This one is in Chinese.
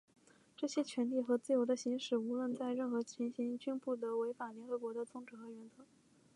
这些权利和自由的行使,无论在任何情形下均不得违背联合国的宗旨和原则。